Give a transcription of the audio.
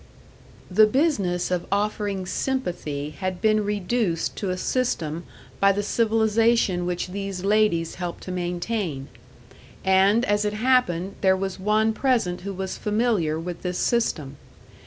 The business of offering sympathy had been reduced to a system by the civilisation which these ladies helped to maintain; and, as it happened, there was one present who was familiar with this system.